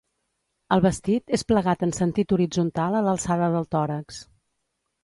El vestit és plegat en sentit horitzontal a l'alçada del tòrax.